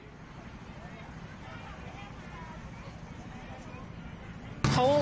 สักพักนึงก็เสียชีวิต